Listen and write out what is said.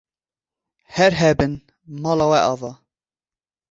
Her hebin, mala we ava.